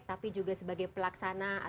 tapi juga sebagai pelaksanaan